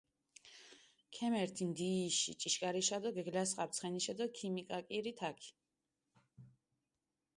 ქემერთჷ ნდიიში ჭიშქარიშა დო გეგლასხაპჷ ცხენიშე დო ქიმიკაკირჷ თაქი.